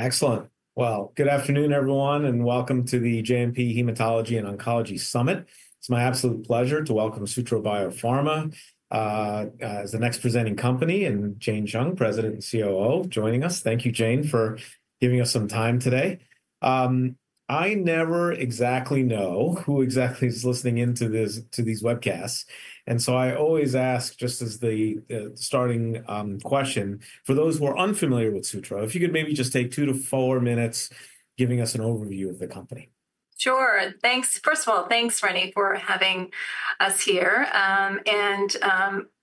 Excellent. Well, good afternoon, everyone, and welcome to the JMP Hematology and Oncology Summit. It's my absolute pleasure to welcome Sutro Biopharma as the next presenting company, and Jane Chung, President and COO, joining us. Thank you, Jane, for giving us some time today. I never exactly know who exactly is listening into these webcasts, and so I always ask, just as the starting question, for those who are unfamiliar with Sutro, if you could maybe just take two to four minutes giving us an overview of the company. Sure. Thanks. First of all, thanks, Reni, for having us here. And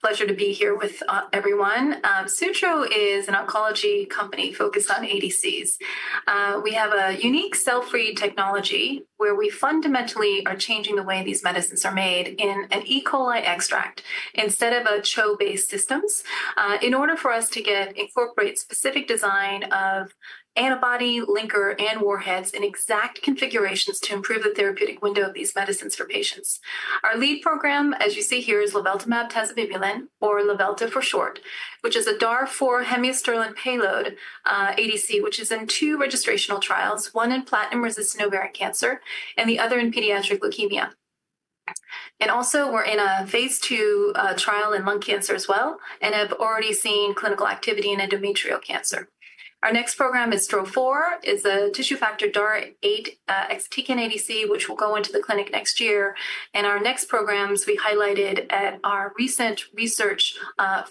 pleasure to be here with everyone. Sutro is an oncology company focused on ADCs. We have a unique cell-free technology where we fundamentally are changing the way these medicines are made in an E. coli extract instead of CHO-based systems in order for us to incorporate specific design of antibody, linker, and warheads in exact configurations to improve the therapeutic window of these medicines for patients. Our lead program, as you see here, is luveltamab tazevibulin, or luvelta, for short, which is a DAR4 hemiasterlin payload ADC, which is in two registrational trials, one in platinum-resistant ovarian cancer and the other in pediatric leukemia. And also, we're in a phase II trial in lung cancer as well, and have already seen clinical activity in endometrial cancer. Our next program is STRO-004, a tissue factor DAR8 exatecan ADC, which will go into the clinic next year. Our next programs we highlighted at our recent research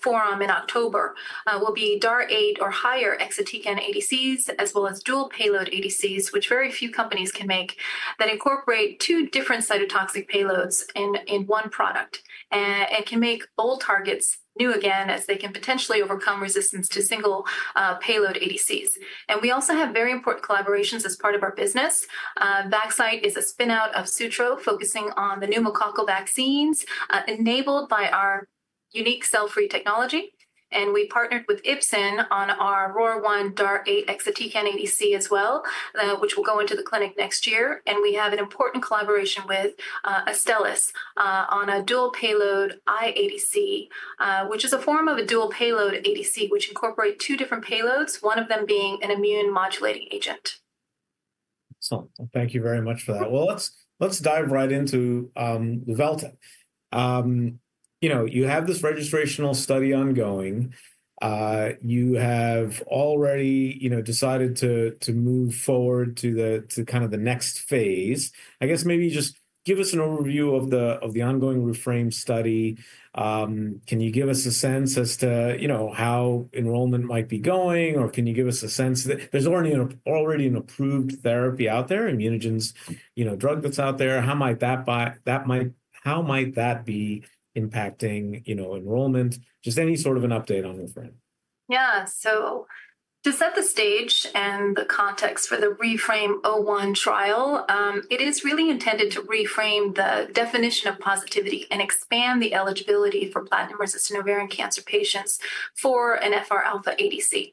forum in October will be DAR8 or higher exatecan ADCs, as well as dual payload ADCs, which very few companies can make that incorporate two different cytotoxic payloads in one product, and can make bold targets new again, as they can potentially overcome resistance to single payload ADCs. We also have very important collaborations as part of our business. Vaxcyte is a spinout of Sutro, focusing on the pneumococcal vaccines enabled by our unique cell-free technology. We partnered with Ipsen on our ROR1 DAR8 exatecan ADC as well, which will go into the clinic next year. We have an important collaboration with Astellas on a dual payload iADC, which is a form of a dual payload ADC, which incorporates two different payloads, one of them being an immune modulating agent. Excellent. Thank you very much for that. Let's dive right into luvelta. You have this registrational study ongoing. You have already decided to move forward to kind of the next phase. I guess maybe just give us an overview of the ongoing REFRaME study. Can you give us a sense as to how enrollment might be going, or can you give us a sense that there's already an approved therapy out there, ImmunoGen's drug that's out there? How might that, but how might that be impacting enrollment? Just any sort of an update on REFRaME. Yeah. So to set the stage and the context for the REFRaME-01 trial, it is really intended to reframe the definition of positivity and expand the eligibility for platinum-resistant ovarian cancer patients for an FR alpha ADC.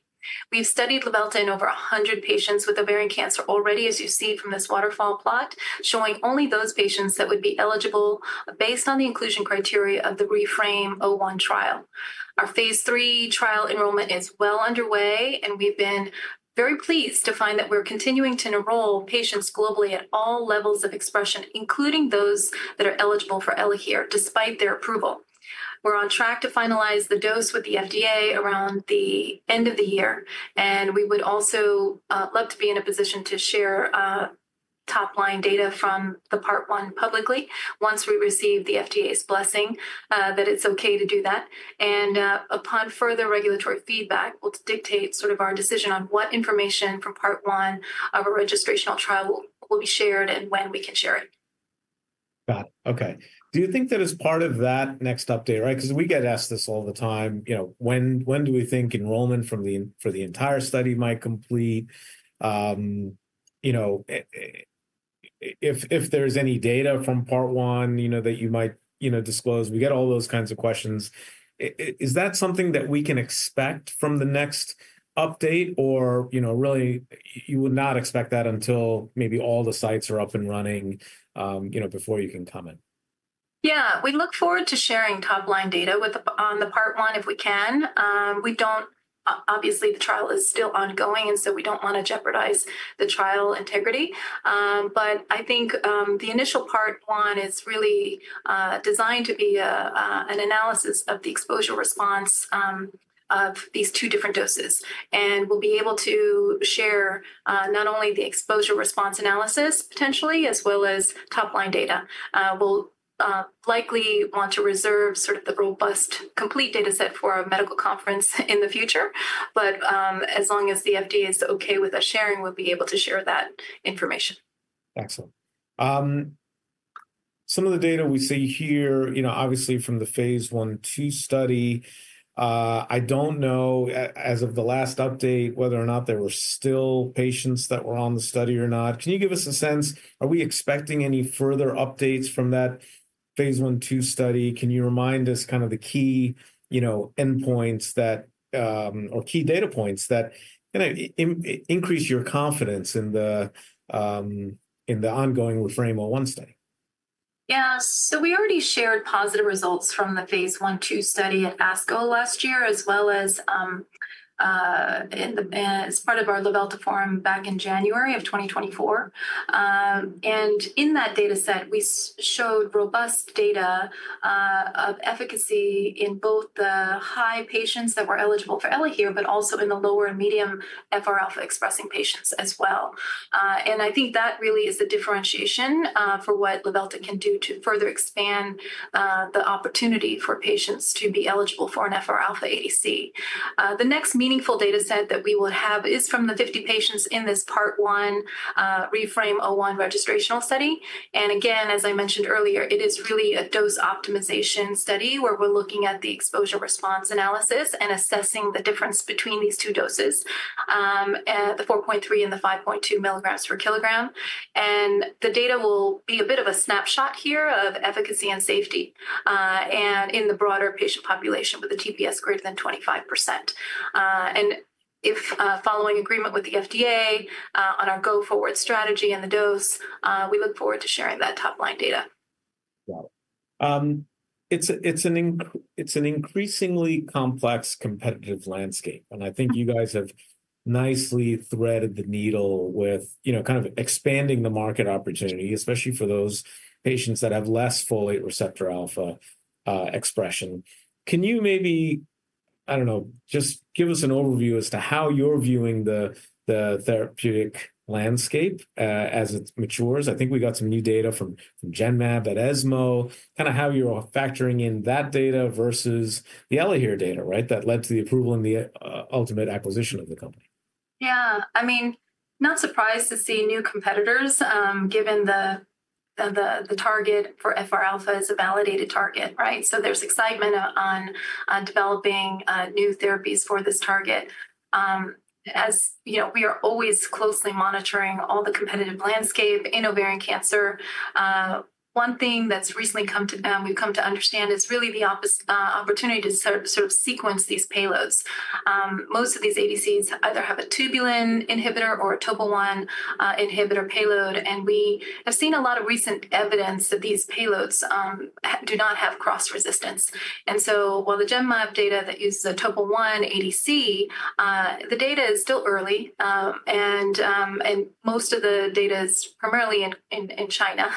We've studied luvelta in over 100 patients with ovarian cancer already, as you see from this waterfall plot, showing only those patients that would be eligible based on the inclusion criteria of the REFRaME-01 trial. Our phase III trial enrollment is well underway, and we've been very pleased to find that we're continuing to enroll patients globally at all levels of expression, including those that are eligible for Elahere, despite their approval. We're on track to finalize the dose with the FDA around the end of the year. We would also love to be in a position to share top-line data from the part one publicly once we receive the FDA's blessing that it's OK to do that. Upon further regulatory feedback, we'll dictate sort of our decision on what information from part one of a registrational trial will be shared and when we can share it. Got it. OK. Do you think that as part of that next update, right, because we get asked this all the time, when do we think enrollment for the entire study might complete? If there's any data from part one that you might disclose, we get all those kinds of questions. Is that something that we can expect from the next update? Or really, you would not expect that until maybe all the sites are up and running before you can come in? Yeah. We look forward to sharing top-line data on the part one if we can. Obviously, the trial is still ongoing, and so we don't want to jeopardize the trial integrity. But I think the initial part one is really designed to be an analysis of the exposure response of these two different doses. And we'll be able to share not only the exposure response analysis, potentially, as well as top-line data. We'll likely want to reserve sort of the robust complete data set for a medical conference in the future. But as long as the FDA is OK with us sharing, we'll be able to share that information. Excellent. Some of the data we see here, obviously, from the phase I/II study, I don't know, as of the last update, whether or not there were still patients that were on the study or not. Can you give us a sense? Are we expecting any further updates from that phase I/II study? Can you remind us kind of the key endpoints or key data points that increase your confidence in the ongoing REFRaME-01 study? Yeah. So we already shared positive results from the phase I/II study at ASCO last year, as well as part of our Luvelta Forum back in January of 2024. And in that data set, we showed robust data of efficacy in both the high patients that were eligible for Elahere, but also in the lower and medium FR alpha expressing patients as well. And I think that really is the differentiation for what luvelta can do to further expand the opportunity for patients to be eligible for an FR alpha ADC. The next meaningful data set that we will have is from the 50 patients in this part one REFRaME-01 registrational study. Again, as I mentioned earlier, it is really a dose optimization study where we're looking at the exposure response analysis and assessing the difference between these two doses, the 4.3 mg and the 5.2 mg per kilogram. The data will be a bit of a snapshot here of efficacy and safety and in the broader patient population with a TPS greater than 25%. Following agreement with the FDA on our go-forward strategy and the dose, we look forward to sharing that top-line data. Got it. It's an increasingly complex competitive landscape. I think you guys have nicely threaded the needle with kind of expanding the market opportunity, especially for those patients that have less folate receptor alpha expression. Can you maybe, I don't know, just give us an overview as to how you're viewing the therapeutic landscape as it matures? I think we got some new data from Genmab at ESMO, kind of how you're factoring in that data versus the Elahere data, right, that led to the approval and the ultimate acquisition of the company. Yeah. I mean, not surprised to see new competitors, given the target for FR alpha is a validated target, right? So there's excitement on developing new therapies for this target. As we are always closely monitoring all the competitive landscape in ovarian cancer, one thing that's recently come to understand is really the opportunity to sort of sequence these payloads. Most of these ADCs either have a tubulin inhibitor or a topoisomerase I inhibitor payload. And we have seen a lot of recent evidence that these payloads do not have cross-resistance. And so while the Genmab data that uses a topoisomerase I ADC, the data is still early. And most of the data is primarily in China.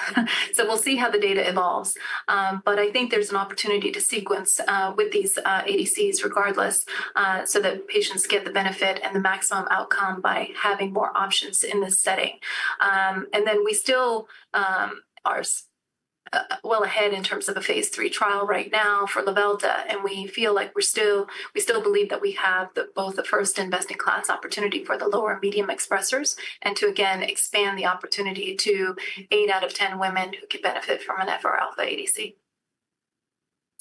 So we'll see how the data evolves. But I think there's an opportunity to sequence with these ADCs regardless so that patients get the benefit and the maximum outcome by having more options in this setting. And then we still are well ahead in terms of a phase III trial right now for luvelta. And we feel like we still believe that we have both the first and best-in-class opportunity for the lower and medium expressors and to, again, expand the opportunity to eight out of 10 women who could benefit from an FR alpha ADC.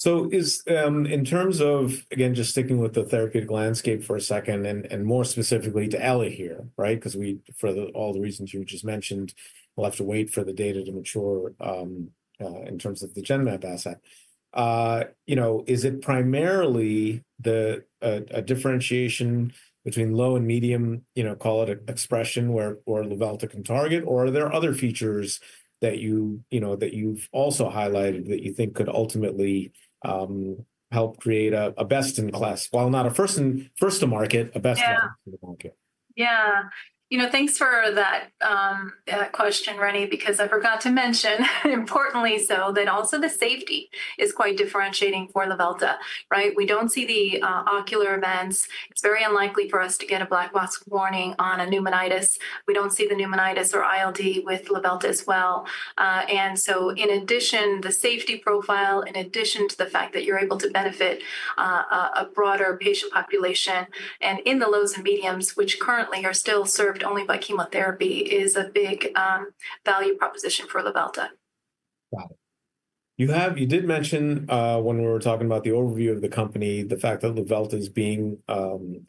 In terms of, again, just sticking with the therapeutic landscape for a second, and more specifically to Elahere, right, because for all the reasons you just mentioned, we'll have to wait for the data to mature in terms of the Genmab asset. Is it primarily a differentiation between low and medium, call it expression, where luvelta can target? Or are there other features that you've also highlighted that you think could ultimately help create a best-in-class, while not a first-to-market, a best-to-market? Yeah. Yeah. Thanks for that question, Reni, because I forgot to mention, importantly so, that also the safety is quite differentiating for luvelta, right? We don't see the ocular events. It's very unlikely for us to get a black box warning on a pneumonitis. We don't see the pneumonitis or ILD with luvelta as well. And so in addition, the safety profile, in addition to the fact that you're able to benefit a broader patient population and in the lows and mediums, which currently are still served only by chemotherapy, is a big value proposition for luvelta. Got it. You did mention, when we were talking about the overview of the company, the fact that luvelta is being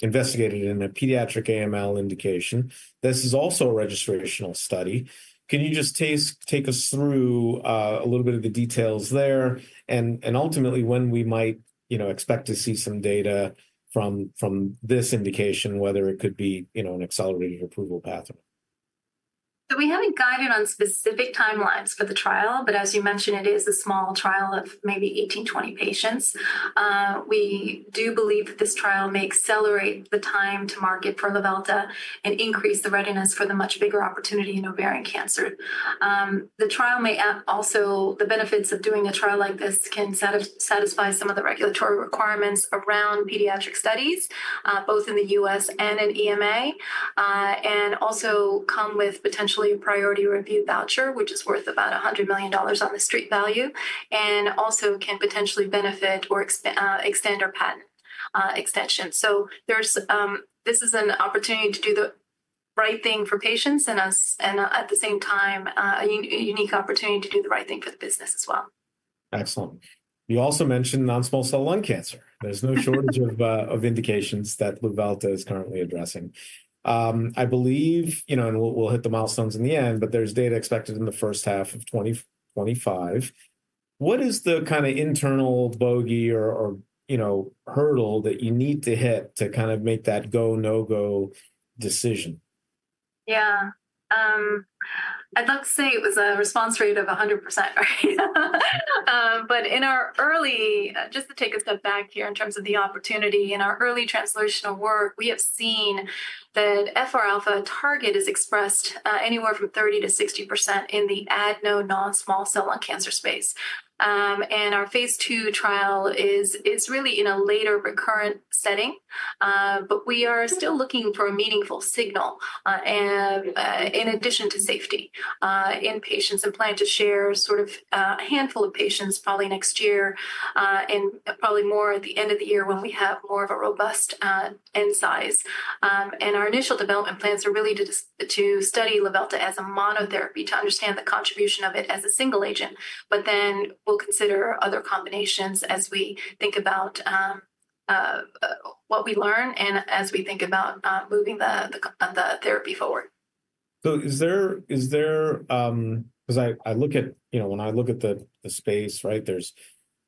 investigated in a pediatric AML indication. This is also a registrational study. Can you just take us through a little bit of the details there, and ultimately, when we might expect to see some data from this indication, whether it could be an accelerated approval pathway? So we haven't guided on specific timelines for the trial. But as you mentioned, it is a small trial of maybe 18-20 patients. We do believe that this trial may accelerate the time to market for luvelta and increase the readiness for the much bigger opportunity in ovarian cancer. The trial may also. The benefits of doing a trial like this can satisfy some of the regulatory requirements around pediatric studies, both in the U.S. and in EMA, and also come with potentially a priority review voucher, which is worth about $100 million on the street value, and also can potentially benefit or extend our patent extension. So this is an opportunity to do the right thing for patients and us, and at the same time, a unique opportunity to do the right thing for the business as well. Excellent. You also mentioned non-small cell lung cancer. There's no shortage of indications that luvelta is currently addressing. I believe, and we'll hit the milestones in the end, but there's data expected in the first half of 2025. What is the kind of internal bogey or hurdle that you need to hit to kind of make that go, no-go decision? Yeah. I'd like to say it was a response rate of 100%, right? But in our early just to take a step back here in terms of the opportunity in our early translational work, we have seen that FR alpha target is expressed anywhere from 30%-60% in the adeno-non-small cell lung cancer space. And our phase II trial is really in a later recurrent setting. But we are still looking for a meaningful signal in addition to safety in patients. And plan to share sort of a handful of patients probably next year and probably more at the end of the year when we have more of a robust end size. And our initial development plans are really to study luvelta as a monotherapy to understand the contribution of it as a single agent. But then we'll consider other combinations as we think about what we learn and as we think about moving the therapy forward. So, is there because when I look at the space, right? There's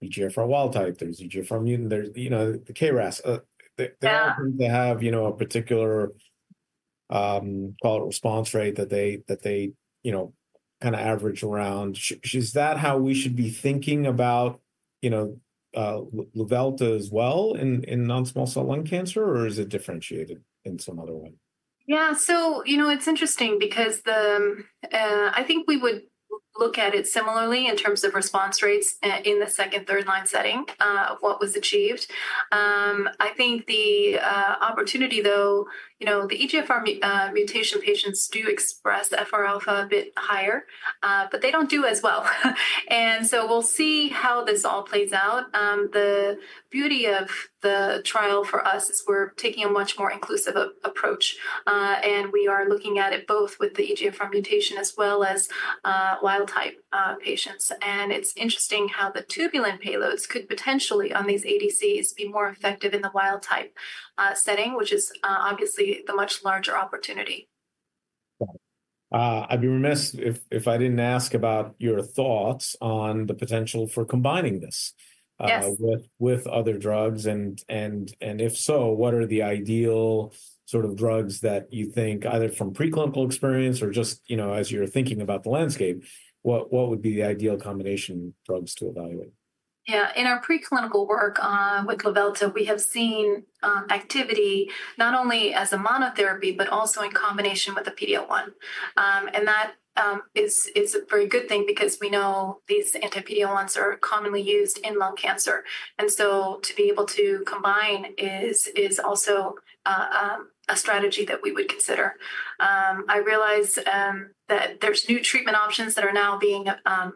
EGFR wild-type. There's EGFR mutant. There's the KRAS. They all seem to have a particular, call it, response rate that they kind of average around. Is that how we should be thinking about luvelta as well in non-small cell lung cancer? Or is it differentiated in some other way? Yeah. So it's interesting because I think we would look at it similarly in terms of response rates in the second, third-line setting of what was achieved. I think the opportunity, though, the EGFR mutation patients do express FR alpha a bit higher, but they don't do as well. And so we'll see how this all plays out. The beauty of the trial for us is we're taking a much more inclusive approach. And we are looking at it both with the EGFR mutation as well as wild type patients. And it's interesting how the tubulin payloads could potentially, on these ADCs, be more effective in the wild type setting, which is obviously the much larger opportunity. I'd be remiss if I didn't ask about your thoughts on the potential for combining this with other drugs, and if so, what are the ideal sort of drugs that you think, either from preclinical experience or just as you're thinking about the landscape, what would be the ideal combination drugs to evaluate? Yeah. In our preclinical work with luvelta, we have seen activity not only as a monotherapy, but also in combination with a PD-L1. And that is a very good thing because we know these anti-PD-L1s are commonly used in lung cancer. And so to be able to combine is also a strategy that we would consider. I realize that there's new treatment options that are now being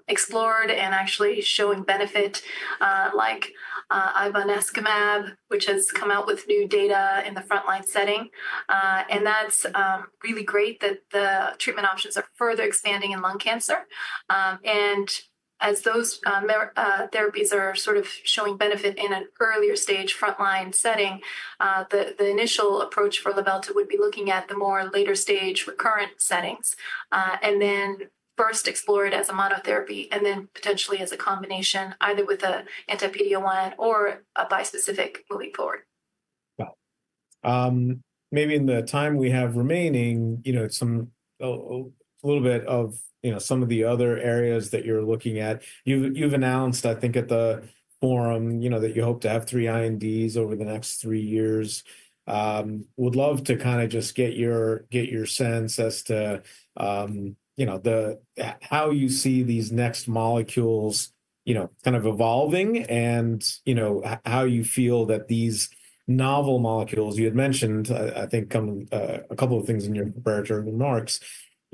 explored and actually showing benefit, like ivonescimab, which has come out with new data in the front-line setting. And that's really great that the treatment options are further expanding in lung cancer. As those therapies are sort of showing benefit in an earlier stage front-line setting, the initial approach for luvelta would be looking at the more later stage recurrent settings and then first explore it as a monotherapy and then potentially as a combination, either with an anti-PD-L1 or a bispecific moving forward. Got it. Maybe in the time we have remaining, a little bit of some of the other areas that you're looking at. You've announced, I think, at the forum that you hope to have three INDs over the next three years. Would love to kind of just get your sense as to how you see these next molecules kind of evolving and how you feel that these novel molecules you had mentioned, I think, a couple of things in your preparatory remarks,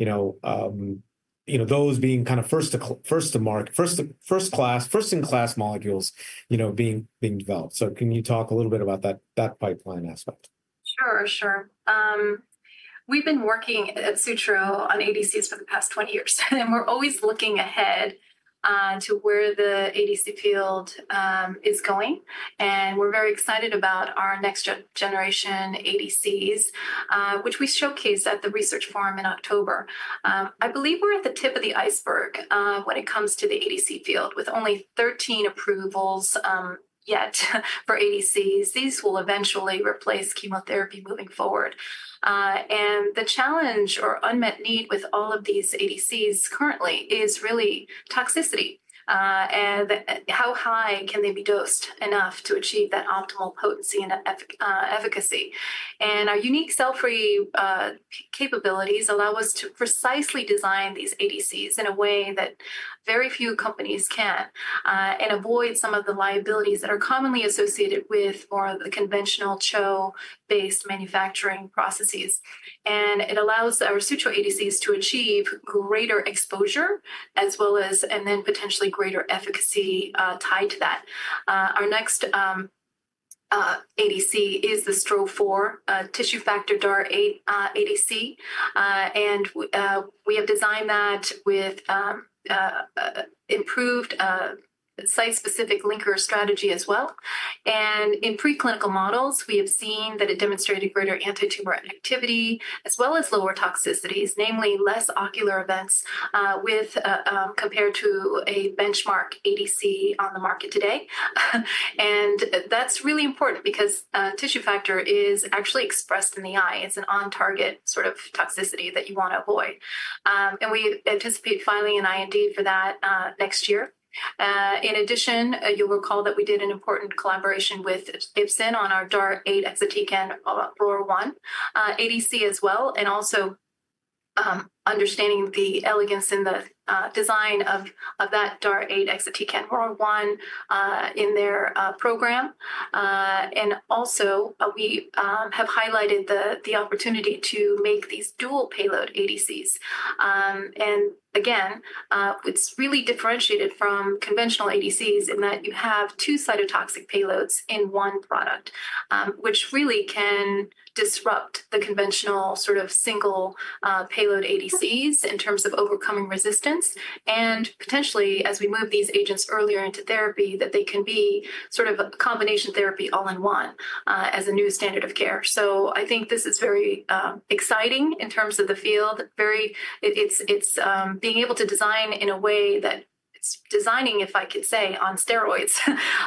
those being kind of first-to-market, first-class, first-in-class molecules being developed. So can you talk a little bit about that pipeline aspect? Sure, sure. We've been working at Sutro on ADCs for the past 20 years. And we're always looking ahead to where the ADC field is going. And we're very excited about our next generation ADCs, which we showcased at the research forum in October. I believe we're at the tip of the iceberg when it comes to the ADC field with only 13 approvals yet for ADCs. These will eventually replace chemotherapy moving forward. And the challenge or unmet need with all of these ADCs currently is really toxicity. And how high can they be dosed enough to achieve that optimal potency and efficacy? And our unique cell-free capabilities allow us to precisely design these ADCs in a way that very few companies can and avoid some of the liabilities that are commonly associated with more of the conventional CHO-based manufacturing processes. And it allows our Sutro ADCs to achieve greater exposure as well as, and then potentially, greater efficacy tied to that. Our next ADC is the STRO-004 tissue factor DAR8 ADC. We have designed that with improved site-specific linker strategy as well. In preclinical models, we have seen that it demonstrated greater anti-tumor activity as well as lower toxicities, namely less ocular events compared to a benchmark ADC on the market today. That's really important because tissue factor is actually expressed in the eye. It's an on-target sort of toxicity that you want to avoid. We anticipate filing an IND for that next year. In addition, you'll recall that we did an important collaboration with Ipsen on our DAR8 exatecan ROR1 ADC as well, and also understanding the elegance in the design of that DAR8 exatecan ROR1 in their program. We have also highlighted the opportunity to make these dual payload ADCs. Again, it is really differentiated from conventional ADCs in that you have two cytotoxic payloads in one product, which really can disrupt the conventional sort of single payload ADCs in terms of overcoming resistance. Potentially, as we move these agents earlier into therapy, they can be sort of a combination therapy all-in-one as a new standard of care. I think this is very exciting in terms of the field. It is being able to design in a way that it is designing, if I could say, on steroids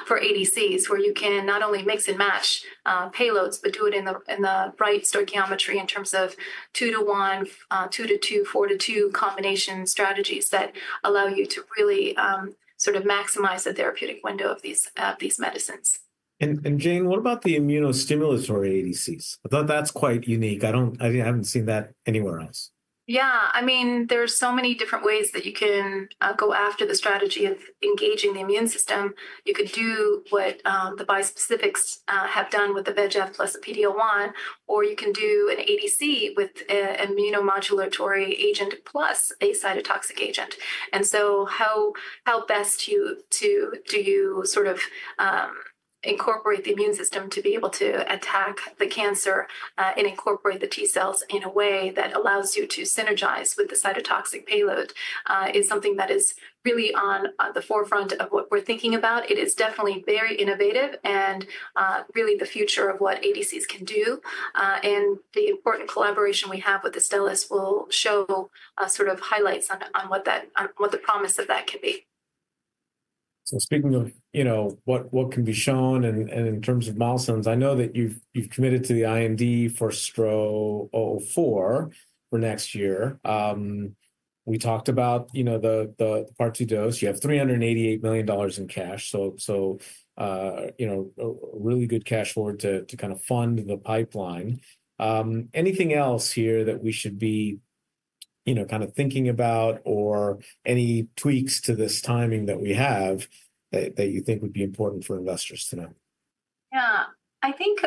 for ADCs, where you can not only mix and match payloads, but do it in the right stoichiometry in terms of two to one, two to two, four to two combination strategies that allow you to really sort of maximize the therapeutic window of these medicines. Jane, what about the immunostimulatory ADCs? I thought that's quite unique. I haven't seen that anywhere else. Yeah. I mean, there are so many different ways that you can go after the strategy of engaging the immune system. You could do what the bispecifics have done with the VEGF plus the PD-L1, or you can do an ADC with an immunomodulatory agent plus a cytotoxic agent. And so how best do you sort of incorporate the immune system to be able to attack the cancer and incorporate the T cells in a way that allows you to synergize with the cytotoxic payload is something that is really on the forefront of what we're thinking about. It is definitely very innovative and really the future of what ADCs can do. And the important collaboration we have with Astellas will show sort of highlights on what the promise of that can be. So speaking of what can be shown and in terms of milestones, I know that you've committed to the IND for STRO-004 for next year. We talked about the part two dose. You have $388 million in cash, so a really good cash forward to kind of fund the pipeline. Anything else here that we should be kind of thinking about or any tweaks to this timing that we have that you think would be important for investors to know? Yeah. I think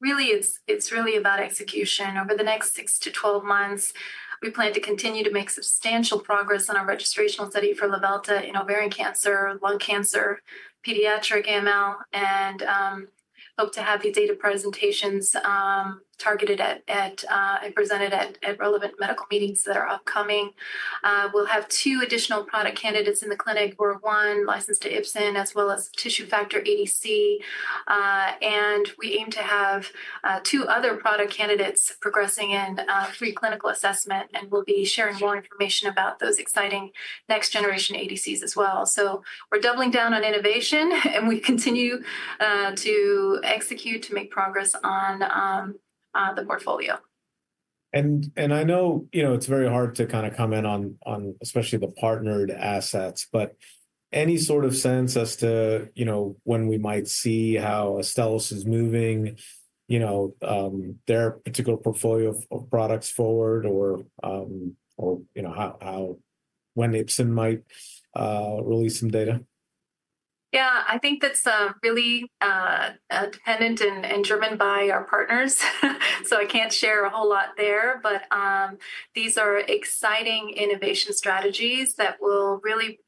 really it's really about execution. Over the next six to 12 months, we plan to continue to make substantial progress on our registrational study for luvelta in ovarian cancer, lung cancer, pediatric AML, and hope to have these data presentations targeted at and presented at relevant medical meetings that are upcoming. We'll have two additional product candidates in the clinic, ROR1 licensed to Ipsen as well as tissue factor ADC. And we aim to have two other product candidates progressing in preclinical assessment. And we'll be sharing more information about those exciting next generation ADCs as well. So we're doubling down on innovation, and we continue to execute to make progress on the portfolio. And I know it's very hard to kind of comment on especially the partnered assets, but any sort of sense as to when we might see how Astellas is moving their particular portfolio of products forward or when Ipsen might release some data? Yeah. I think that's really dependent and driven by our partners. So I can't share a whole lot there. But these are exciting innovation strategies that will really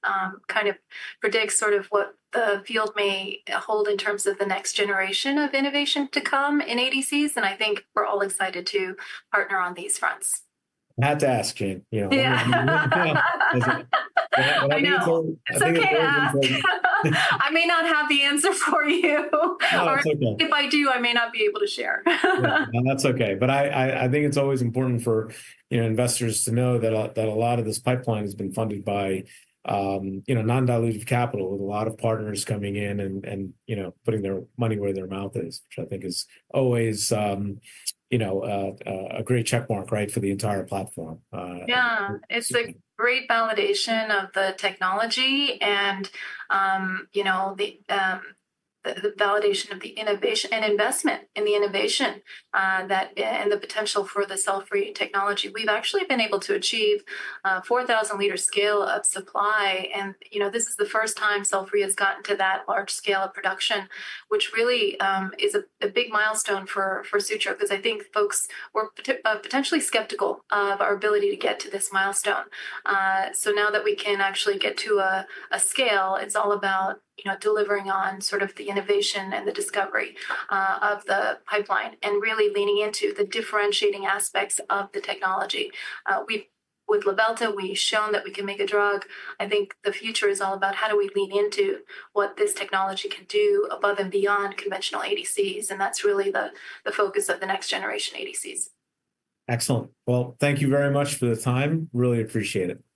kind of predict sort of what the field may hold in terms of the next generation of innovation to come in ADCs. And I think we're all excited to partner on these fronts. Not to ask you. Yeah. I know. I may not have the answer for you. No, that's OK. If I do, I may not be able to share. No, that's OK, but I think it's always important for investors to know that a lot of this pipeline has been funded by non-dilutive capital with a lot of partners coming in and putting their money where their mouth is, which I think is always a great checkmark, right, for the entire platform. Yeah. It's a great validation of the technology and the validation of the innovation and investment in the innovation and the potential for the cell-free technology. We've actually been able to achieve a 4,000 L scale of supply. And this is the first time cell-free has gotten to that large scale of production, which really is a big milestone for Sutro because I think folks were potentially skeptical of our ability to get to this milestone. So now that we can actually get to a scale, it's all about delivering on sort of the innovation and the discovery of the pipeline and really leaning into the differentiating aspects of the technology. With luvelta, we've shown that we can make a drug. I think the future is all about how do we lean into what this technology can do above and beyond conventional ADCs. That's really the focus of the next generation ADCs. Excellent. Well, thank you very much for the time. Really appreciate it.